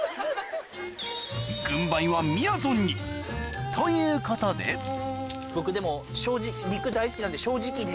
軍配はみやぞんにということで僕でも肉大好きなんで。